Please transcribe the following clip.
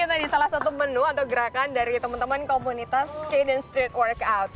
tahu tahu ini adalah salah satu menu untuk gerakan dari teman teman komunitas kedon street workout